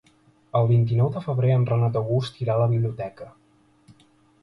El vint-i-nou de febrer en Renat August irà a la biblioteca.